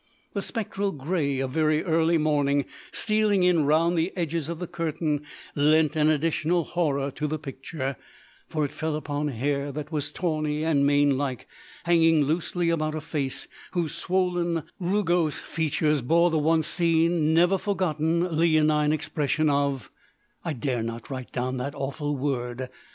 The spectral grey of very early morning stealing in round the edges of the curtains lent an additional horror to the picture, for it fell upon hair that was tawny and mane like, hanging loosely about a face whose swollen, rugose features bore the once seen never forgotten leonine expression of I dare not write down that awful word.